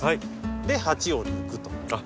で鉢を抜くと。